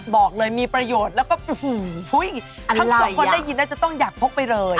บอกเลยมีประโยชน์แล้วก็ทั้งสองคนได้ยินน่าจะต้องอยากพกไปเลย